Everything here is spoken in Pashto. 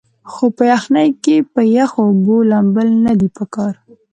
خو پۀ يخنۍ کښې پۀ يخو اوبو لامبل نۀ دي پکار